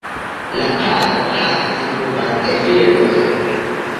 La paro havis kvar gefilojn.